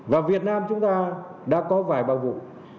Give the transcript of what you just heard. và việt nam chúng ta đã có vài bao vụ